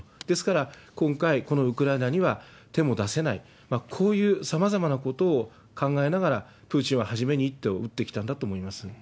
ですから、今回このウクライナには手も出せない、こういうさまざまなことを考えながら、プーチンは初めに一手を打ってきたんだと思います。